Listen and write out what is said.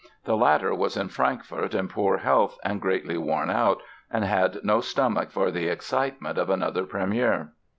The latter was in Frankfort, in poor health and greatly worn out, and had no stomach for the excitements of another premiere.